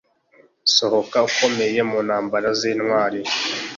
Sohoka ukomeye muntambara zintwari